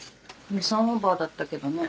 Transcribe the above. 予算オーバーだったけどね。